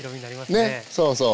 ねそうそう。